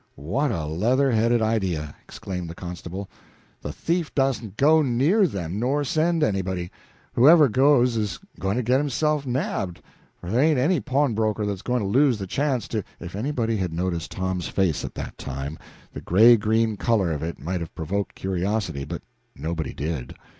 "What a leather headed idea!" exclaimed the constable. "The thief da'sn't go near them, nor send anybody. Whoever goes is going to get himself nabbed, for their ain't any pawnbroker that's going to lose the chance to " If anybody had noticed Tom's face at that time, the gray green color of it might have provoked curiosity; but nobody did.